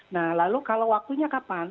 nah lalu kalau waktunya kapan